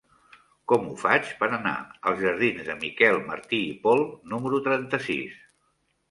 Com ho faig per anar als jardins de Miquel Martí i Pol número trenta-sis?